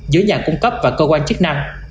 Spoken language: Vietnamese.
giữa nhà cung cấp và cơ quan chức năng